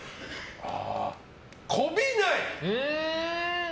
こびない？